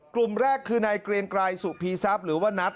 กลุ่มแรกคือในเกรียงกลายสุพีซัพหรือว่านัท